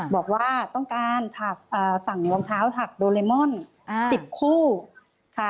บอกว่าต้องการสั่งรองเท้าถักโดเรมอน๑๐คู่ค่ะ